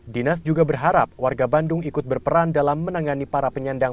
dinas juga berharap warga bandung ikut berperan dalam menangani para penyandang